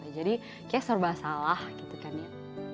jadi kayak serba salah gitu kan ya